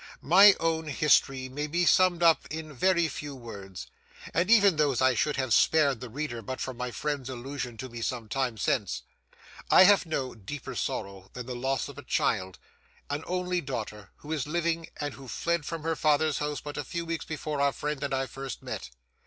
My own history may be summed up in very few words; and even those I should have spared the reader but for my friend's allusion to me some time since. I have no deeper sorrow than the loss of a child,—an only daughter, who is living, and who fled from her father's house but a few weeks before our friend and I first met.